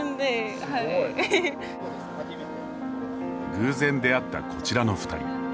偶然出会ったこちらの２人。